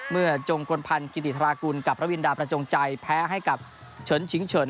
จงกลพันธ์กิติธรากุลกับระวินดาประจงใจแพ้ให้กับเฉินชิงเฉิน